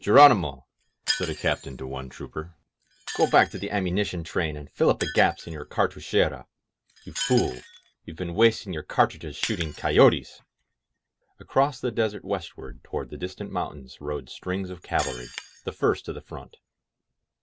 "Geronimo," said a Captain to one trooper, "go back to the ammunition train and fill up the gaps in 180 THE ARMY AT lYERMO your cartouchera. You fool, you've been wasting your cartridges shooting coyotes !'' Across the desert westward toward the distant moun tains rode strings of cavalry, the first to the front.